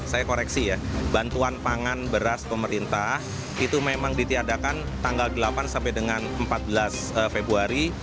saya koreksi ya bantuan pangan beras pemerintah itu memang ditiadakan tanggal delapan sampai dengan empat belas februari